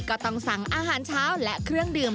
ก็ต้องสั่งอาหารเช้าและเครื่องดื่ม